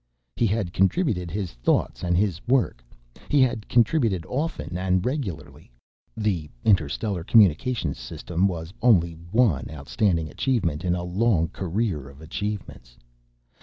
He had contributed his thoughts and his work. He had contributed often and regularly—the interstellar communications systems was only the one outstanding achievement in a long career of achievements.